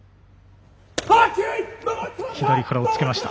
左から押っつけました。